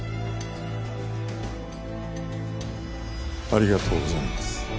ありがとうございます。